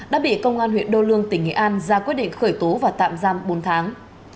đã bị công an huyện đô lương tỉnh nghệ an ra quyết định khởi tố và tạm giam bốn tháng